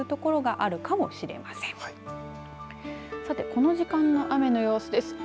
この時間の雨の様子です。